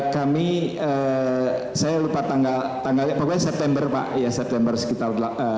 kami saya lupa tanggal pokoknya september pak ya september sekitar